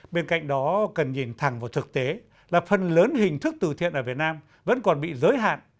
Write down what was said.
bên cạnh đó cần nhìn thẳng vào thực tế là phần lớn hình thức từ thiện ở việt nam vẫn còn bị giới hạn